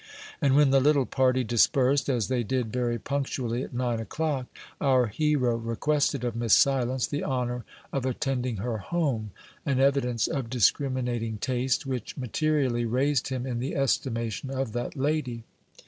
And when the little party dispersed, as they did very punctually at nine o'clock, our hero requested of Miss Silence the honor of attending her home an evidence of discriminating taste which materially raised him in the estimation of that lady.